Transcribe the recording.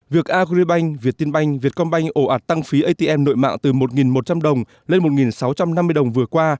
việc agribank viettinbank vietcombank ổ ạt tăng phí atm nội mạng từ một một trăm linh đồng lên một sáu trăm năm mươi đồng vừa qua